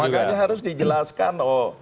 ya makanya harus dijelaskan